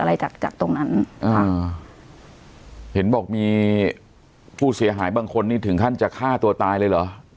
จากจากตรงนั้นอ่าเห็นบอกมีผู้เสียหายบางคนนี่ถึงขั้นจะฆ่าตัวตายเลยเหรอ